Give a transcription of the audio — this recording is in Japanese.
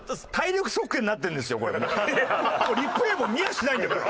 もうリプレイも見やしないんだから。